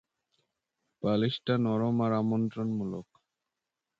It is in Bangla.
বালিশটা নরম আর আমন্ত্রণমূলক।